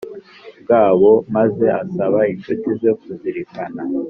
bwabo maze asaba inshuti ze kuzirikana